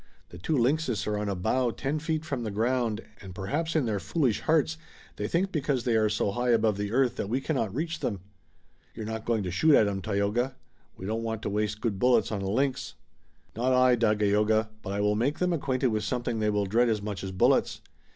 The two lynxes are on a bough ten feet from the ground, and perhaps in their foolish hearts they think because they are so high above the earth that we cannot reach them." "You're not going to shoot at 'em, Tayoga? We don't want to waste good bullets on a lynx." "Not I, Dagaeoga, but I will make them acquainted with something they will dread as much as bullets.